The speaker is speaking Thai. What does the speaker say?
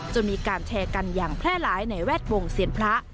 มีการแชร์กันอย่างแพร่หลายในแวดวงเซียนพระ